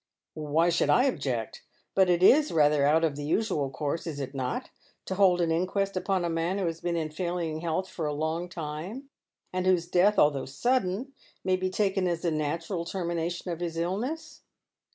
"Why should I object? But it is rather out of the usual course, is it not, to hold an inquest upon a man who has been in failing health for a long time, and whose death, although sudden, may be taken as the natural termination of his illness